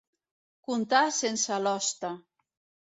Contar sense l'hoste.